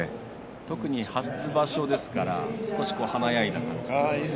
特に初場所ですから少し華やいだ感じで。